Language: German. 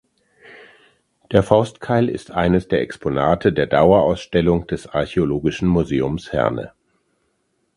Der Faustkeil ist eines der Exponate der Dauerausstellung des Archäologischen Museums Herne.